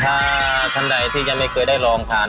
ถ้าท่านใดที่จะไม่เคยได้ลองทาน